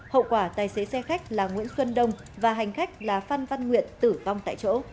hậu quả tài xế xe khách là nguyễn xuân đông và hành khách là phan văn nguyện tử vong tại chỗ